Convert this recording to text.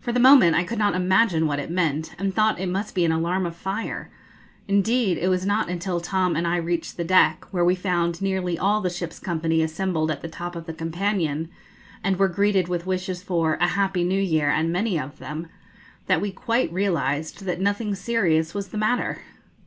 For the moment I could not imagine what it meant, and thought it must be an alarm of fire; indeed, it was not until Tom and I reached the deck, where we found nearly all the ship's company assembled at the top of the companion, and were greeted with wishes for 'A happy New Year, and many of them,' that we quite realised that nothing serious was the matter.